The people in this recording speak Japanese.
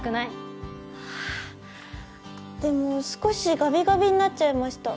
でも少しガビガビになっちゃいました。